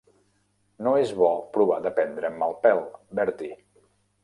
No és bo provar de prendre'm el pèl, Bertie.